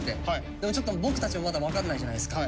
でもちょっと僕たちもまだ分かんないじゃないですか。